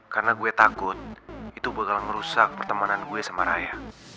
karena gue takut itu bakal merusak pertemanan gue sama raya